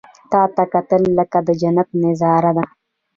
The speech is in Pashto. • تا ته کتل، لکه د جنت نظاره ده.